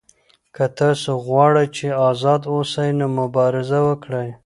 که تاسو غواړئ چې آزاد اوسئ نو مبارزه وکړئ.